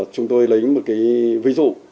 chúng tôi lấy một ví dụ